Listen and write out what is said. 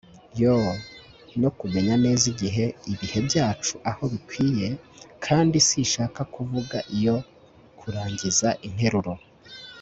yoo! no kumenya neza igihe ibihe byacu aho bikwiye, kandi sinshaka kuvuga iyo kurangiza interuro